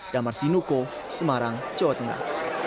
damar sinuko semarang jawa tengah